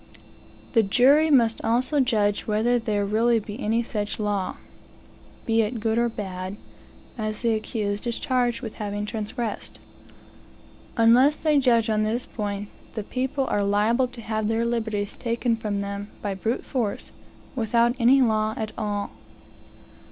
The jury must also judge whether there really be any such law, (be it good or bad,) as the accused is charged with having transgressed. Unless they judge on this point, the people are liable to have their liberties taken from them by brute force, without any law at all.